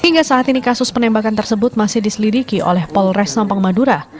hingga saat ini kasus penembakan tersebut masih diselidiki oleh polres sampang madura